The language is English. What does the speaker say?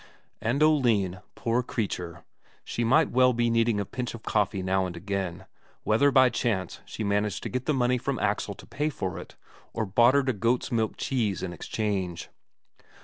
And Oline, poor creature, she might well be needing a pinch of coffee now and again, whether by chance she managed to get the money from Axel to pay for it, or bartered a goats' milk cheese in exchange.